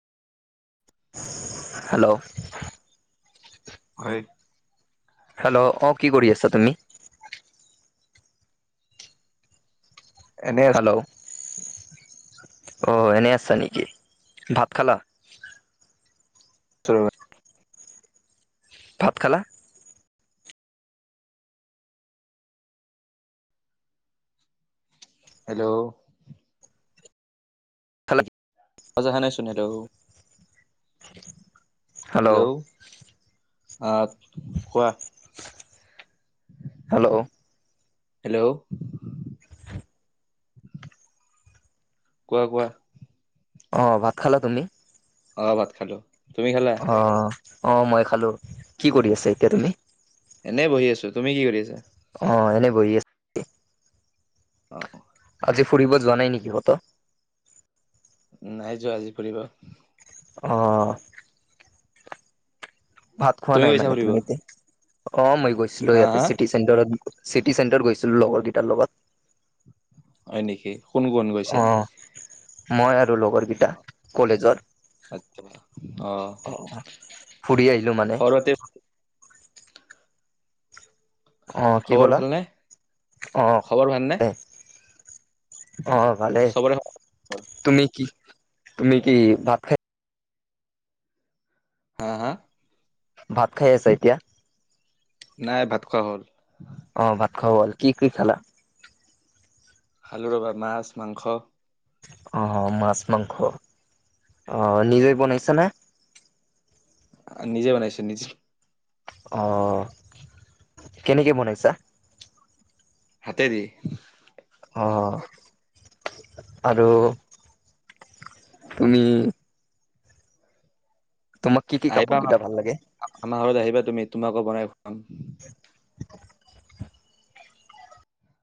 Hello খৈয়েক hello অঁ কি কৰি আছা তুমি এনে হেল্লৌ' অঁ এনেই আছা নেকি ভাত খালা। তোৱেবা ভাত খালা। হেল্লৌ' খালা আজাখানাই চোনেদৌ [unintelligible] হেল্ল' আহ কোৱা হেল্ল' হেল্ল' কোৱা কোৱা অ ভাত খালা তুমি অ ভাত খালো তুমি খালা অ অ মই খালো কি কৰি আছে এতিয়া তুমি এনেই বহি আছো তুমি কি কৰি আছা অ এনেই বহি আছে অঁ অঁ আজি ফুৰিব যোৱা নাই নেকি সত নাই যোৱা আজি কৰিব অ ভাত খোৱা তুমি নাই গৈছা মানে ফুৰিব? তুমি ই অ মই গৈছিলো হা ইয়াতে হা চিটি চেণ্টাৰত চিটি চেণ্টাৰ গৈছিলো লগৰ কেইটাৰ লগত হয় নেকি কোন কোন গৈছে? অ মই আৰু লগৰকেইটা আচ্ছা কলেজত অ ফুৰি আহিলো মানে খবৰ পাতি, অঁ কি খবৰ ক'লা ভালনে? অঁ খবৰ ভালনে? অ ভালেই চবৰে খবৰ ভাল। তুমি কি তুমি কি ভাত খাই হা হা ভাত খাই আছা এতিয়া? নাই ভাত খোৱা হ'ল। অ' ভাত খোৱা হ'ল কি কি খালা? খালো ৰবা মাছ মাংস। অ' মাছ মাংস অ' নিজেই বনাইছা না? নিজে বনাইছো নিজে। অঁ কেনেকৈ বনাইছা? হাতে দি। অ' আৰু তুমি তোমাক কি কি আহিবা কাপোৰ কেইটা ভাল লাগে? আমাৰ ঘৰত আহিবা তুমি, তোমাকো বনাই খুৱাম। [inaudible]